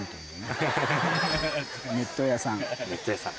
ネット屋さん。